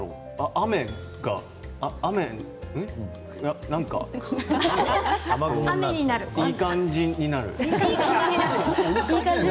雨が何かいい感じになる。